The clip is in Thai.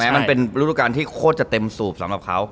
มันเป็นฤดูการที่โคตรจะเต็มสูบสำหรับเขา